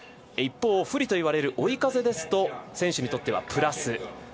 一方、不利といわれる追い風ですと選手にとってはプラス。